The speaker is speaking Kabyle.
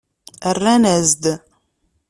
Rran-as-d.